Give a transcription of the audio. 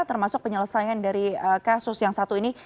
termasuk penyelesaian dari kasus yang satu ini